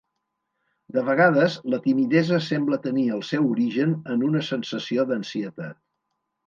De vegades, la timidesa sembla tenir el seu origen en una sensació d'ansietat.